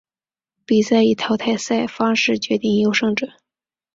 比赛以淘汰赛方式决定优胜者。